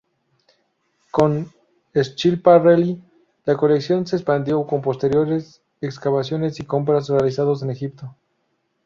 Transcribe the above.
Con Schiaparelli, la colección se expandió con posteriores excavaciones y compras realizados en Egipto.